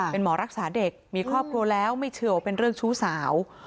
เป็นหมอรักษาเด็กมีครอบครัวแล้วไม่เชื่อว่าเป็นเรื่องชู้สาว